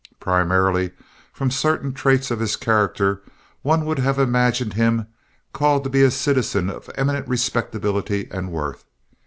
Primarily, from certain traits of his character, one would have imagined him called to be a citizen of eminent respectability and worth.